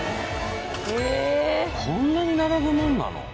こんなに並ぶもんなの？